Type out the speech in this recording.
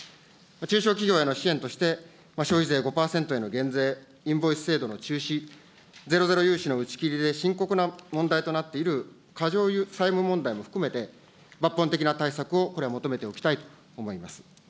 中小企業への支援として、消費税５％への減税、インボイス制度の中止、ゼロゼロ融資の打ち切りで深刻な問題となっている過剰債務問題も含めて、抜本的な対策をこれは求めておきたいと思います。